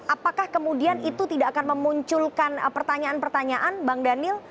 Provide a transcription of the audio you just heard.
apakah kemudian itu tidak akan memunculkan pertanyaan pertanyaan bang daniel